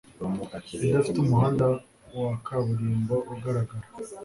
idafite umuhanda wa kaburimbo ugaragara